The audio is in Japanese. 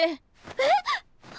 えっ！？